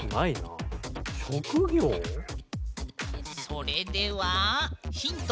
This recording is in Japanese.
それではヒント。